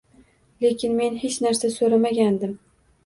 Lekin men hech narsa so`ramagandim